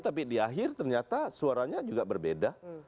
tapi di akhir ternyata suaranya juga berbeda